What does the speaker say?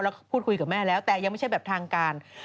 แล้วก็พูดคุยกับแม่แล้วแต่ยังไม่ใช่แบบทางการ